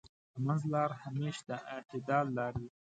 د منځ لاره همېش د اعتدال لاره وي.